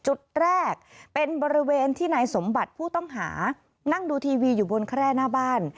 จุดแรกเป็นบริเวณที่นายสมบัติผู้ต้องหานั่งดูทีวีอยู่บนแคร่หน้าบ้าน